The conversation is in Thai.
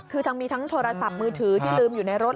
คือทั้งมีทั้งโทรศัพท์มือถือที่ลืมอยู่ในรถ